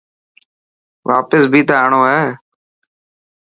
واپس بي ته آڻو هي.